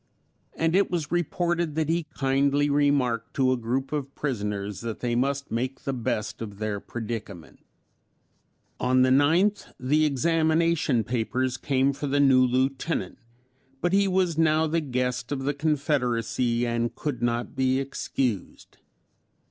And it was reported that he kindly remarked to a group of prisoners that they must make the best of their predicament. On the 9th the examination papers came for the new Lieutenant, but he was now the guest of the Confederacy and could not be excused.